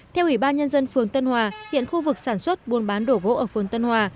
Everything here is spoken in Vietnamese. theo ủy ban nhân dân phương tân hòa hiện khu vực sản xuất buôn bán đồ gỗ ở phương tân hòa